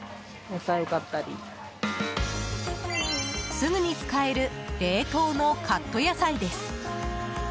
すぐに使える冷凍のカット野菜です。